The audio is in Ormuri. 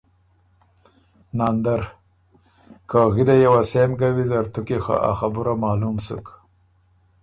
ناندر ـــ که غِلئ یه وه سېم ګه ویزر تو کی خه آ خبُره معلوم سُک